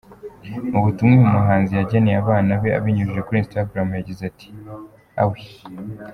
Mu butumwa uyu muhanzi yageneye abana be abinyujije kuri Instagram yagize ati:”Awwwww.